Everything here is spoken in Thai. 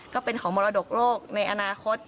ก็เป็นของมรดกโลกในอนาคต